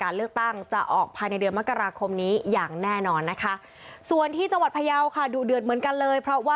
เอาเรื่องนี้เป็นอย่างไรไปดูพร้อมกันเลยค่ะ